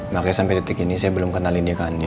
makanya sampai detik ini saya belum kenalin dia kan